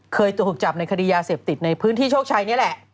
เคยถูกจับในคดียาเสพติดในพื้นที่โชคชัยนี่แหละ